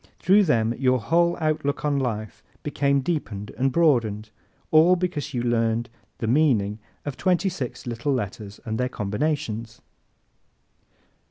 Through them your whole outlook on life became deepened and broadened all because you learned the meaning of twenty six little letters and their combinations!